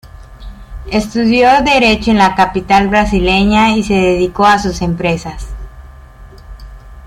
Estudió Derecho en la capital brasileña y se dedicó a sus empresas.